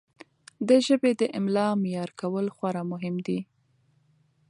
د ژبې د املاء معیار کول خورا مهم دي.